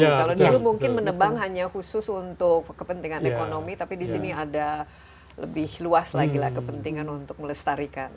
kalau dulu mungkin menebang hanya khusus untuk kepentingan ekonomi tapi di sini ada lebih luas lagi lah kepentingan untuk melestarikan